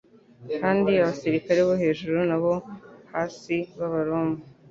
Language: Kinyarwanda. kandi abasirikari bo hejuru n'abo hasi b'abaroma